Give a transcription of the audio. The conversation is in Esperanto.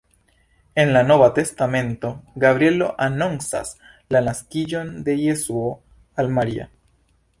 En la nova testamento Gabrielo anoncas la naskiĝon de Jesuo al Maria.